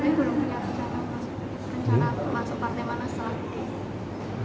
masuk partai mana setelah ini